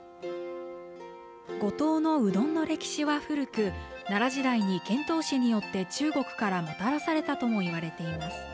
五島のうどんの歴史は古く、奈良時代に遣唐使によって中国からもたらされたともいわれています。